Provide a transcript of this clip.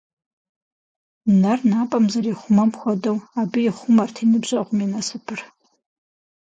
Нэр напӏэм зэрихъумэм хуэдэу, абы ихъумэрт и ныбжьэгъум и насыпыр.